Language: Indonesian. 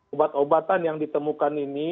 obat obatan yang ditemukan ini